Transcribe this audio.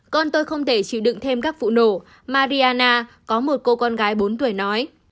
con tôi không thể chịu đựng thêm các vụ nổ mariana có một cô con gái bốn tuổi nói